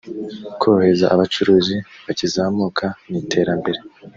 korohereza abacuruzi bakizamuka n’iterambere